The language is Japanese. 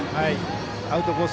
アウトコース